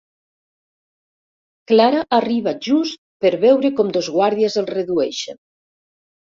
Clara arriba just per veure com dos guàrdies el redueixen.